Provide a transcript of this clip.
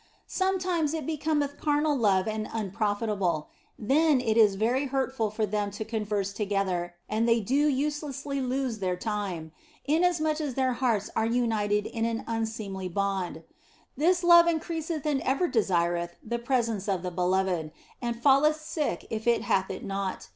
Sometimes it becometh carnal love and unprofitable ; then is it very hurtful for them to converse together and they do uselessly lose their time, inasmuch as their hearts are united in an unseemly bond. This love increaseth and ever desireth the pre sence of the beloved, and falleth sick if it hath it not.